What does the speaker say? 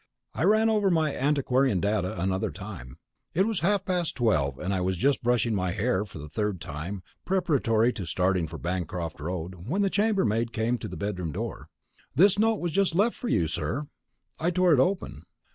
I ran over my antiquarian data another time. It was half past twelve, and I was just brushing my hair for the third time, preparatory to starting for Bancroft Road, when the chambermaid came to the bedroom door. "This note was just left for you, sir." I tore it open.